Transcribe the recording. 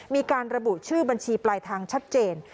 มีการระบุชื่อบัญชีปลายทางชัดเจน